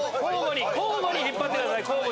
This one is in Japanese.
交互に引っ張ってください。